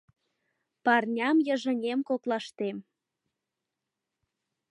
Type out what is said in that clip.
Парням-йыжыҥем коклаштем.